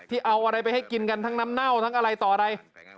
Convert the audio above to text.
เอาอะไรไปให้กินกันทั้งน้ำเน่าทั้งอะไรต่ออะไร